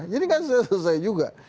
jadi kan sudah selesai juga